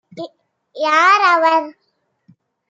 யார் அவர்?